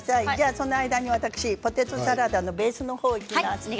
その間に私ポテトサラダのベースにいきます。